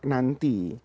saya sudah berhenti